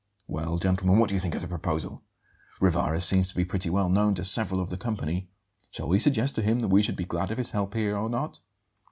Well, gentlemen, what do you think of the proposal? Rivarez seems to be pretty well known to several of the company. Shall we suggest to him that we should be glad of his help here or not?"